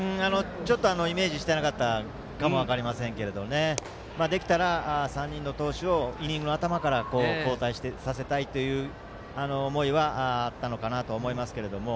ちょっとイメージしていなかったかも分かりませんができたら３人の投手をイニング頭から交代させたいという思いはあったのかなと思いますが。